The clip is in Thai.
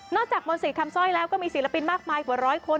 นอกจากมนต์สิทธิ์คำซ่อยแล้วก็มีศิลปินมากมายกว่าร้อยคน